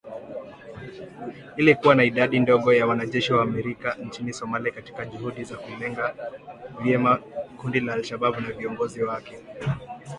Ili kuwa na idadi ndogo ya wanajeshi wa Marekani nchini Somalia katika juhudi za kulilenga vyema kundi la al-Shabaab na viongozi wake.